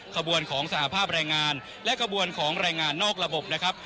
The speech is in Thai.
ขบวนของสหภาพแรงงานและขบวนของแรงงานนอกระบบนะครับ